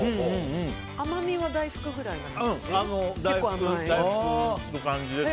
甘みは大福くらいな感じ？